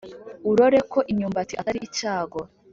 Urore ko imyumbati ari icyago.